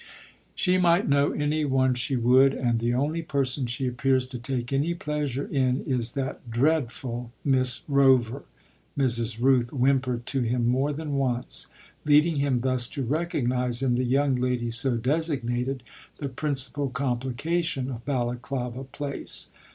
"She might know any one she would, and the only person she appears to take any pleasure in is that dreadful Miss Rover," Mrs. Rooth whimpered to him more than once leading him thus to recognise in the young lady so designated the principal complication of Balaklava Place.